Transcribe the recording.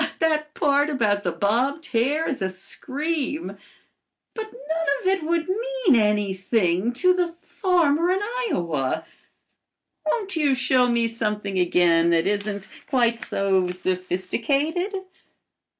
That part about the bobbed hair is a scream. But none of it would mean anything to the farmer in Iowa. Won't you show me something again that isn't quite so sophisticated?"